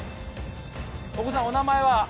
お子さんお名前は？